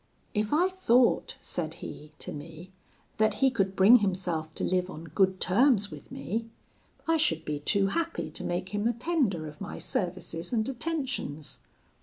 "'If I thought,' said he to me, 'that he could bring himself to live on good terms with me, I should be too happy to make him a tender of my services and attentions.'